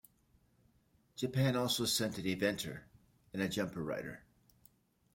Japan also sent an eventer and a jumper rider.